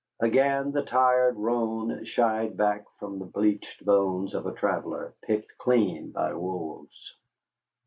Again, the tired roan shied back from the bleached bones of a traveller, picked clean by wolves.